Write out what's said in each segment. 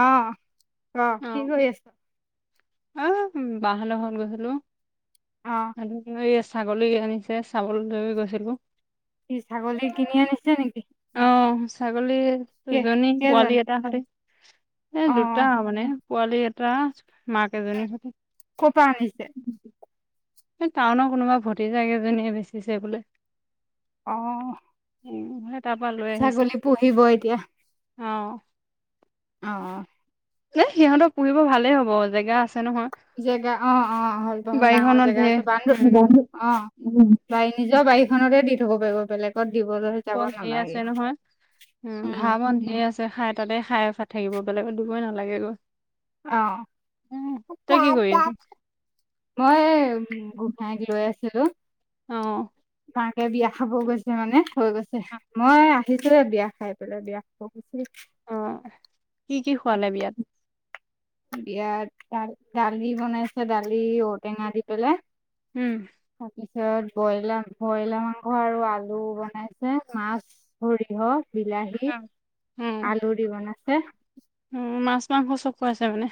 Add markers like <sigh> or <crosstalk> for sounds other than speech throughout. আহ আহ অ', কি কৰি আছ- অ বাহলেৰ ঘত গৈছিলো অ', - ছাগলী আনিছে চাবলে গৈছিলো। সি ছাগলী কিনি আনিছে নেকি? অ ছাগলী কে দুজনী পোৱালি কেইজনী? এটা হলি দুটা অ', মানে পোৱালি এটা মাক এজনীৰ সৈতে ক'ৰ পৰা আনিছে? এই টাউনৰ কোনোবা ভতিজা এজনীয়ে বেচিছে বোলে। অহ উম, সেই তাৰ পৰা লৈ আহিছে ছাগলী পুহিব এতিয়া। অ', অ নে সিহঁতক পুহিব ভালে হ'ব জেগা আছ- জেগা অ অ আহল বহল ডাঙৰ বাৰীখনত জেগা ঢেৰ আছে বানৰোধ উম, অ বা'ই নিজৰ বাৰীখনতে দি থব পাৰিব বেলেগত। দিবলৈ যাব বন্ধে এ নালাগে আছে নহয় উ উম, ঘাঁহ বন্ধ ঢেৰ আছে। খাই তাতে খাই থাকিব বেলেগত দিবই নালাগে গৈ। অ। কি কৰি আছ? মই গোসাঁইক লৈ আছিলোঁ। অহ। মাকে বিয়া খাব গৈছে মানে থৈ গৈছে। মই আহিছিলো বিয়া খাই পেলাই বিয়া খাব গৈছিলোঁ। অ কি কি খোৱালে বিয়াত। বিয়াত দালি বনাইছে দালি ঔ টেঙা দি পেলাই। উম। সিয়ত বইলাৰ বইলাৰ মাংস আৰু আলু বনাইছে মাছ সৰিয়হ। বিলাহী আলু দি বনাইছে। উ মাছ মাংস চব খুৱাইছে মানে।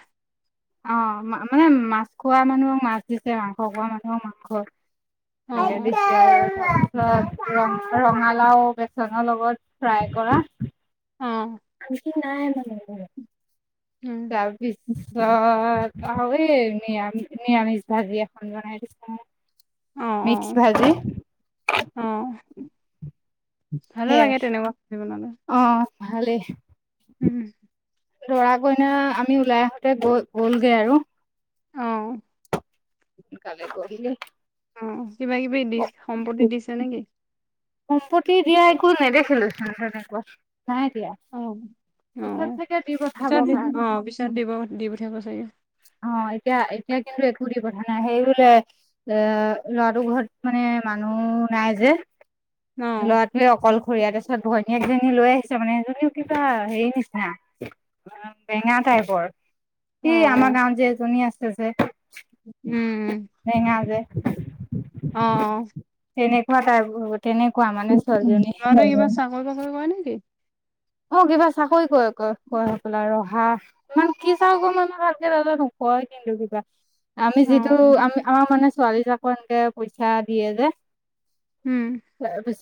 অ মানে মাছ খোৱা মানুহক মাছ দিছে মাংস খোৱা মানুহক মাংস। অ', <unintelligible> ৰ ৰঙালাও বেচনৰ লগত ফ্ৰাই কৰা। অ', আঙকি নাই মান ন। উম, ছাব্বিশ ছত। অই নিয়া নিৰামিষ ভাজি এখন বনাই দিছে। অ', মিক্স অ', ভাজি। ভালো লাগে তেনেকুৱা চি বনালে। ভালে। উম। লৰা কইনা আমি ওলাই আহোতে গৈ গ'লগৈ আৰু। অহ। সোনকালে কৰিলে। অ কিবা কিবি দি সম্পত্তি দিছে নেকি? সম্পত্তি দিয়া একো নেদেখিলো তেনেকুৱা নাই দিয়া। অ পিছত চাগে দি পঠাব পিছত কাৰ আহ পিছত দিব দি পঠিয়াব চাগে অ এতিয়া এতিয়া কিন্তু একো দি কথা নাই সেই বোলে এ ল'ৰাটোৰ ঘৰত মানে মানুহ নাই যে। অ', ল'ৰাটোৱে অকল খৰীয়াৰ তাৰিছত ঘৈনীয়েক যে। লৈ আহিছে মানে সেইজনীও কিবা হেৰি নিচিনা। বেঙা টাইপৰ অ', স আমাৰ অ', গাঁৱত যে এজনী আছে যে। বেঙা উম। যে অহ। কাই তেনে। কিবাৰ চাকৰি বাকৰি কৰে নেকি। অ কিবা চাকৈ ক ক ক কৰে হবলা ৰহা ইমান কি চাক মই ভালকে নাজানো। কয়ে কিন্তু কিবা। আমি অ', যিটো আমি আমাৰ মানে ছোৱালী জাক একে পইচা দিয়ে যে। উম।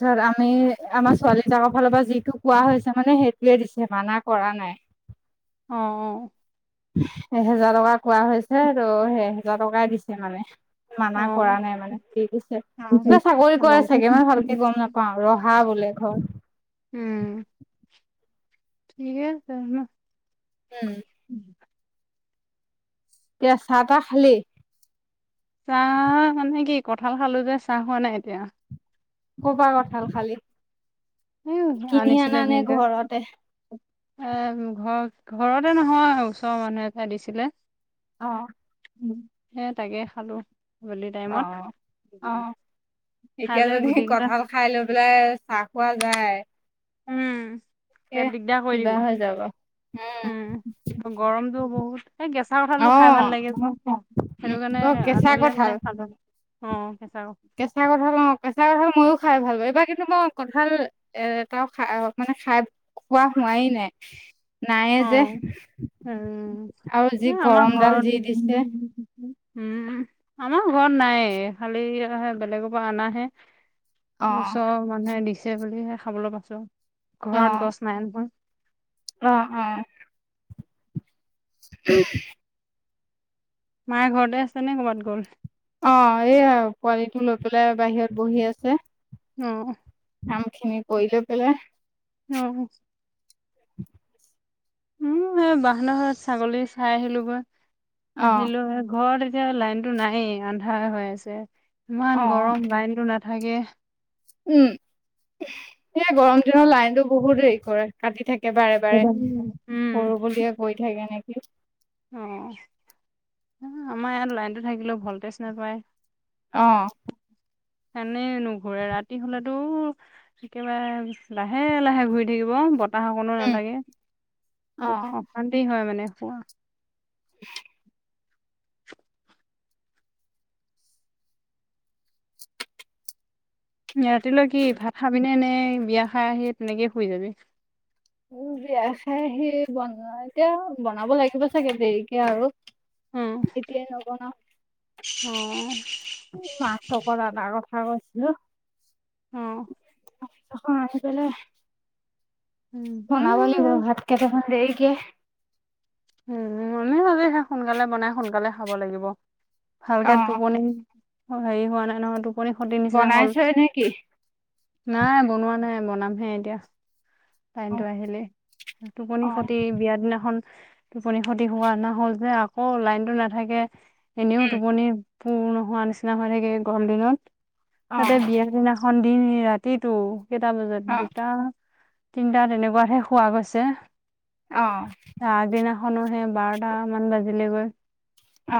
ত আমি আমাৰ ছোৱালী জাকৰ ফালৰ পৰা যিটো কোৱা হৈছে। মানে সেইটোয়ে দিছে মানা কৰা নাই। অ অ। এহেজাৰ টকা কোৱা হৈছে ত এহেজাৰ টকাই দিছে মানে। মানা অ', কৰা নাই মানে কি দিছে। ক চাকৰি কৰে চাগে মই অ', ভালকে গম নাপাওঁ ৰহা বোলে ঘৰ। উম। ঠিকে আছে ন। উম এতিয়া চাহ তাহ খালি। চাহ মানে কি কঁঠাল খালো যে চাহ খোৱা নাই এতিয়া ক'ৰ পৰা কঁঠাল খালি। উম কিনি আনিছিলে আনা নে ঘৰতে ভিনদেউয়ে আহ ঘৰ ঘৰতে নহয় ওচৰৰ মানুহ এটাই দিছিলে। অ সে তাকে খালোঁ গধূলি অ টাইমত অ খাই এতিয়া লৈ যদি গোটেই কেইটা কঁঠাল খাই লৈ পেলাই চাহ খোৱা যায়। উম এ এতিয়া দিগদাৰ কৰি কিবা দিব হৈ যাব উম উম গৰমতটো বহুত এই কেঁচা অ কঁঠালটো খাই ভাল লাগে ন সেইটো উম কাৰণে অ কেঁচা আনিলে মানে কঁঠাল সাধ অ কেঁচা কেঁচা কঁঠাল কেঁচা কঁঠাল ময়ো খাই ভাল পাওঁ এইবাৰ কিন্তু মই কঁঠাল এটাও খ মানে খাই খোৱা হোৱাই নাই নায়ে অ যে উম আৰু যি হ আমাৰ গৰমডাল যি ঘৰত দিছে উম আমাৰ ঘৰত নাই খালি আহে বেলেগৰ পৰা অনাহে অ ওচৰৰ মানুহে দিছে বুলিহে খাবলৈ পাইছো অ ঘৰত গছ নাই নহয় অ অ হয় মায়ে ঘৰতে আছে নে কৰ'ৰবাত গ'ল অ এই আৰু পোৱালিটো লৈ পেলাই বাহিৰত বহি আছে। উম কাম খিনি কৰিলৈ পেলাই উম <unintelligible> উম এই বাহান ঘৰত ছাগলী চাই আহিলো গৈ অ আহিলৈ ঘৰত এতিয়া লাইনটো নাইয়ে আন্ধাৰ হৈ আছে, অ ইমান গৰম লাইনটো নাথাকে। উম সেয়া গৰম দিনত লাইনটো বহুত হেৰি কৰে কাটি থাকে বাৰে বাৰে, উম সৰু বুলিয়ে গৈ থাকে নেকি? অ, আমাৰ ইয়াত লাইনটো থাকিলেও ভলটেজ নাপায়। অহ। এনে নুঘুৰে ৰাতি হলেতো একেবাৰে লাহে- লাহে ঘূৰি থাকিব বত তাহ অকণো নালাগে, অ স অশান্তি হয় মানে শুৱা। ৰাতিলৈ কি ভাত খাবিনে এ নে বিয়া খাই আহি তেনেকে শুই যাবি? উম বিয়া খাই আহি বন এতিয়া বনাব লাগিব চাগে দেৰিকে আৰু। এতিয়াই নবনা? অঁ। মা চক দানাৰ কথা কৈছিলো। অ অ আ পেল <unintelligible> বনাব লাগিব ভাত কেইটা মান দেৰিকে উম, মমি আজি সে সোনকালে বনাই সোনকালে খাব লাগিব। ভালকে অ টোপনি হেৰি হোৱা নাই নহয় টোপনি খতি নিচিনা হল। বনাইছই নেকি নাই বনোৱা নাই বনামহে এতিয়া। অ লাইনটো আহিলে, টোপনি অ খতি বিয়া দিনাখন টোপনি খতি হোৱা না হ'ল যে আকৌ লাইনটো নাথাকে। এনেও উম টোপনি পূৰ নোহোৱা নিচিনা হৈ থাকে গৰম দিনত, অ তাতে বিয়ে দিনাখন দিন ৰাতিটো কেইটা বজাত অ দুটা তিনিটা তেনেকুৱাহে খোৱা গৈছে। আহ। সেই বাৰটা মান বাজিলে গৈ,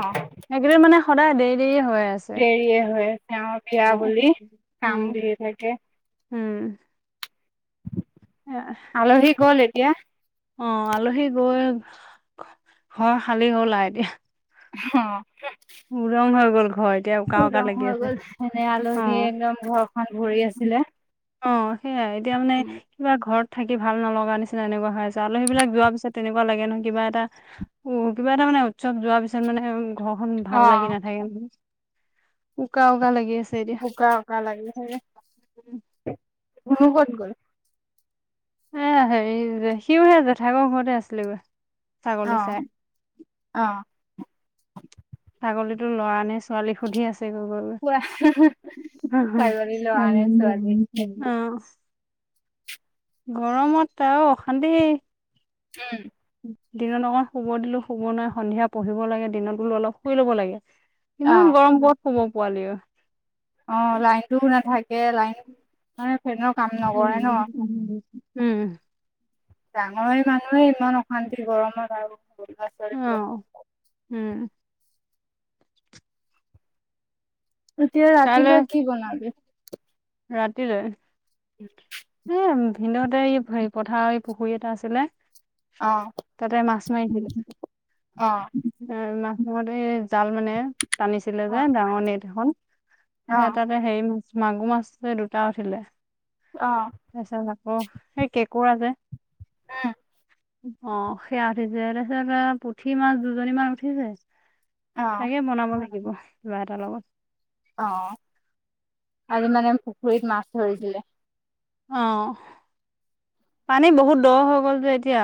অ সেইকেইদিন মানে সদায় দেৰি -দেৰি হ দেৰিয়ে হয়, তেওঁৰ অ বিয়া বুলি অ কাম দিয়ে থাকে। উম। আলহি গল এতিয়া? অ আলহী গৈ ঘৰ খালি হলাআও এতিয়া। অ। উ ৰং হৈ গ'ল। ঘৰ এতিয়া উকা উকা উদং লাগি হৈ আছে গ'ল এনে আলহী একদম ঘৰখন ভৰি অ আছিলে। অ সেইয়াই এতিয়া মানে কিবা ঘৰত থাকি ভাল নলগা নিচিনা এনেকুৱা হৈ আছে আলহী বিলাক যোৱাৰ পিছত তেনেকুৱা লাগে নহ কিবা এটা উম কিবা এটা মানে উৎসৱ যোৱাৰ পিছত মানে ঘ ভাল লাগি অ', নাথাকে। উকা উকা লাগি আছ উকা উকা লাগি হয়নে? উম। মুনু কত গল? এ হেৰি সিওহে জেঠাইকৰ ঘৰতে আছিলে গৈ। অ অ। ছাগলীতো লৰা নে ছোৱালী সুধি আছ কোৱা ছাগলী ল'ৰা নে ছোৱালী <unintelligible> গৰমত আৰু অশান্তি। উম। দিনত অকমান শুব দিলো শুব নোহোৱা সন্ধিয়া পঢ়িব লাগে দিনত বোলো অলপ শুই লব লাগে। ইমান অ', গৰম কত শুব পোৱালিয়ে। অ লাইনটো নাথাকে, লাইন মানে ফেনৰ কাম নকৰে ন। উম। ডাঙৰ মানুহে ইমান অশান্তি গৰমত আৰু ল'ৰা ছোৱালীটো অহ উম। এতিয়া ৰাতিলৈ কি বনাবি? ৰাতিলৈ। <inaudible> ভিন্দহতে এই পথাৰ এই পুখুৰী এটা আছিলে। অ', তাতে মাছ মাৰিছিল অ', মাছ মৱাতে জাল মানে টানিছিলে যে অ', ডাঙৰ নেট খন সে অ', তাতে হেৰি মাগুৰ মাছযে দুটা উঠিলে অ', তাৰ পিছত আকৌ সেই কেঁকুৱা যে উম, অ সেয়া উঠিছে। তাৰছত পুঠি মাছ দুজনী মান উঠিছে। অ', তাকে বনাব লাগিব কিবা এটাৰ লগত। অ আজি মানে পুখুৰীত মাছ ধৰিছিলে। অ পানী বহুত দ হৈ গ'ল যে এতিয়া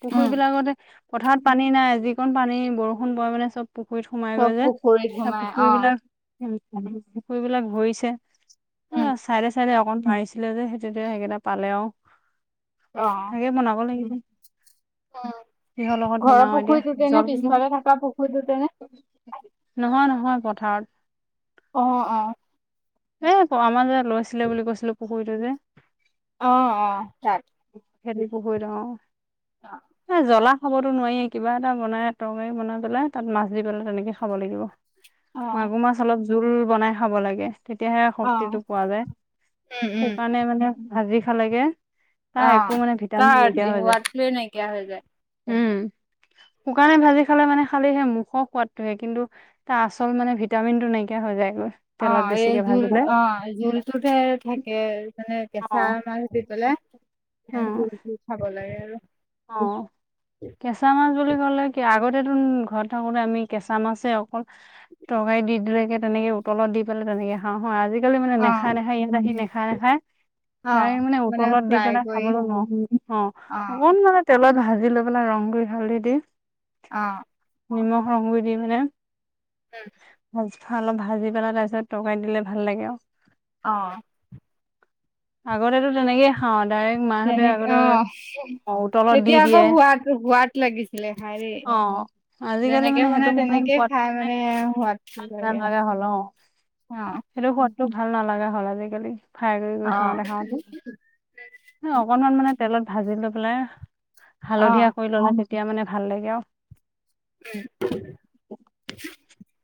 পুখুৰী উম, বিলাকতে পথাৰত পানী নাই যিকণ পানী বৰষুণ পৰে মানে চব পুখুৰীত সোমাই চব গৈ যে পুখুৰীত আৰু সোমাই অ'। পুখুৰীবলাক পুখুৰী বিলাক ঘৰিছে অ উম, ছাইডে ছাইডে অক অকণ মাৰিছিলে যে সেইতেতিয়া পালে আও অ তাকে বনাব লাগিব। কিহৰ লগত ঘৰৰ বনওঁ এতিয়া পুখুৰীটোতে নে জল পিছফালে থকা পুখুৰীটোতে নে? নহয় নহয় পথাৰত। অ অ। এ আমাৰ যে লৈছিলে বুলি কৈছিলো পুখুৰীটো যে অ অ তাক খেদি পুখুৰী লওঁ জ্বলা খাবতো নোৱাৱি কিবা এটা বনাই তৰকাৰী বনাই পেলাই তাত মাছ দি পেলাই তেনেকে খাব লাগিব। মাগুৰ মাছ অলপ জোল বনাই খাব লাগে। তেতিয়াহে অ শক্তিটো পোৱা যায়। উম উম শুকানে মানে ভাজি খালেগে হ অ একো মানে ভিটামিন তাৰ নাইকিয়া হৈ যায়। সোৱাদটোৱে নাইকিয়া হৈ যায়। উম শুকানে ভাজি খালে মানে খালি সে মুখৰ সোৱাদটো হে কিন্তু তাৰ আচল মানে ভিটামিনটো নাইকিয়া হৈ যায়। অ তেলত বেছি এই জোল অ। জুল অ উম খাব লাগে। আৰু অ কেঁচা মাছ বুলি ক'লে কি আগত ঘৰত থাকোতে আমি কেঁচা মাছে অকল তৰকাৰী দি দৰোকে তেনেকে উতলত দি পেলাই তেনেকে খাওঁ আজিকালি মানে অ নেখায় নেখায় ইয়াত আহি নেখা নেখায় অ চাই মানে উতলত দি ফ্ৰাই পেলাই কৰি খাবলৈ নোৱাও। অ। অকণ মানে তেলত ভাজি লৈ পেলাই ৰং‌‌গুই হালধি দি। অ। নিমখ ৰংগুই দি মানে। হম। ভাজ ভা অলপ ভাজি পেলাই তাৰপিছত তৰকাৰীত দিলে ভাল লাগে আও। অ। আগতেতো তেনেকেই খাওঁ ডাইৰেক্ট মাহঁতে তেনেকে আগতে অ অ উতলত দি তেতিয়া আকৌ দিয়ে। সোৱাদ সোৱাদ লাগিছিলে খাই দেই অ আজিকালি যেনেকে মানে সেইটো বনাই তেনেকেই খাই মানে সোৱাদটো লাগে। অ <unintelligible> টো ভাল নালাগা হ'ল আজিকালি ফ্ৰাই কৰি অ কৰি খাওঁ খাওঁতে। অকনমান মানে তেলত ভাজি লৈ পেলাই হালধীয়া কৰি ল'লে তেতিয়া মানে ভাল লাগে আও। উম। <unintelligible>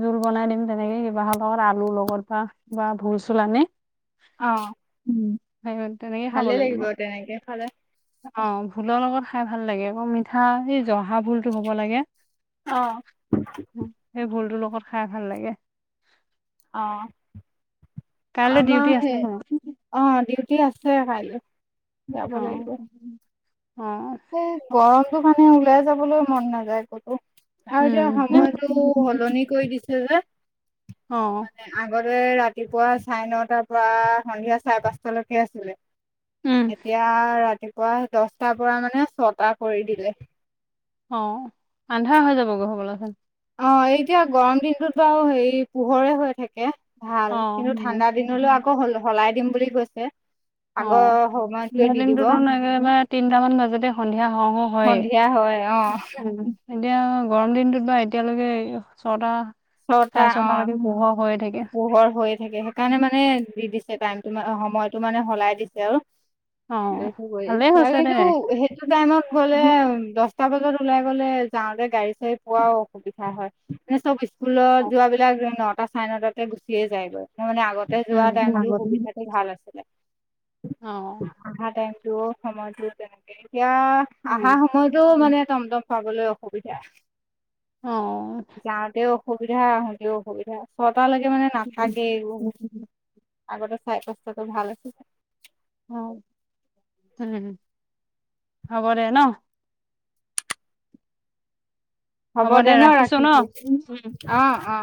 জোল বনাই দিম তেনেকে কিবাহ লগত আলু লগত বা কিবা ভোল চোল আনি। অ। সেহুত তেনেকে খাব ভালে লাগিব। তেনেকে খালে অ ভোলৰ লগত খাই ভাল লাগে আকৌ মিঠা এই জহা ভুলতটো হব লাগে অ সেই ভুলতো লগ <unintelligible> খাই ভাল লাগে অ কাইলৈ ডিউটি আমাৰে আছে ন অহউ টি আছে কাইলৈ অ যাব লাগিব অ স গৰমতটো মানে ওলাই যাবলৈ মন নাযায় ক'তো আৰু এতিয়া উম সময়তটো সলনি কৰি দিছে যে অ মানে আগতে ৰাতি ৰাতিপুৱা চাৰে নটাৰ পৰা সন্ধিয়া চাৰে পাঁচটালৈকে আছিলে। উম এতিয়া ৰাতিপুৱা দছটাৰ পৰা মানে ছটা কৰি দিলে। অ আন্ধা হৈ যাব গে হবলাছোন? অ এতিয়া গৰম দিনটোত বাও হেই পোহৰে হৈ থাকে। ভাল অ কিন্তু ঠাণ্ডা দিনলৈ আকৌ সলাই দিম বুলি কৈছে। অ আগৰ সময়টোৱে দি দিব দিনটোতো নেনেনে তিনটামান বাজতে সন্ধিয়া হ হো হয়েই। সন্ধিয়া হয় অ। এতিয়া গৰম দিনটোত বা এতিয়ালৈকে ছটা ছটা চাৰে অ ছটালৈকে পোহৰ হৈয়ে থাকে পোহৰ হৈয়ে থাকে, সেইকাৰণে মানে দি হে টাইমটো সময়তটো মানে সলাই দিছে আৰু। অ ভালেই হৈছে দে কিন্তু সেইটো টাইমত গলে দহটা বজাত ওলাই গ'লে যাওঁতে গাড়ী চাৰী পোৱাও অসুবিধা হয় ম চব স্কুলত যোৱা বিলাক যাই ন। এটা চাইনতাটে গুচিয়ে যায়গৈ ত মানে আগতে যোৱা টাইমটো সুবিধাটো ভাল আছিলে। অঁ। সময়তো তেনেকে এতিয়া অহা সময়তো মানে টমটম পাবলৈ অসুবিধা। অ। সুবিধা আহোতেও অসুবিধা ছটালৈকে মানে নাথাকে বহুত আগৰতে চাই পাস্তাটো ভাল আছিলে। অ হ হ'ব দে ন হ'ব দে ন ৰাখিছো অ অ